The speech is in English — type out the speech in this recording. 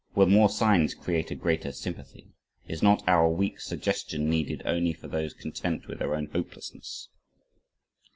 Will more signs create a greater sympathy? Is not our weak suggestion needed only for those content with their own hopelessness?